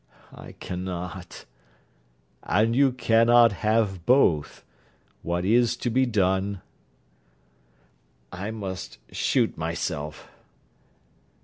'I cannot.' 'And you cannot have both. What is to be done?' 'I must shoot myself.'